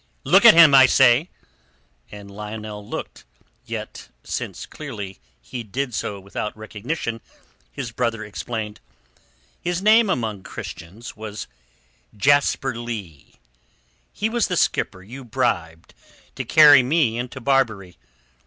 Look at him, I say!" And Lionel looked, yet since clearly he did so without recognition his brother explained: "His name among Christians was Jasper Leigh. He was the skipper you bribed to carry me into Barbary.